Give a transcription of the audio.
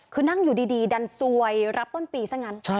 คือนั่งอยู่ดีดันซวยรับต้นปีซะงั้น